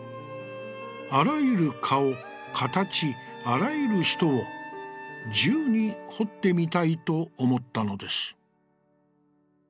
あらゆる顔、形、あらゆる人を十に彫ってみたいと思ったのです」。